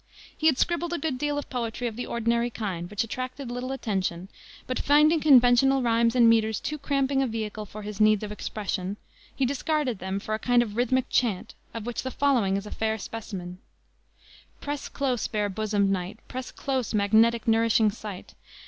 He had scribbled a good deal of poetry of the ordinary kind, which attracted little attention, but finding conventional rhymes and meters too cramping a vehicle for his need of expression, he discarded them for a kind of rhythmic chant, of which the following is a fair specimen: "Press close, bare bosom'd night! Press close, magnetic, nourishing night!